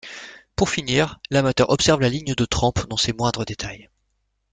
Pour finir, l'amateur observe la ligne de trempe dans ses moindres détails.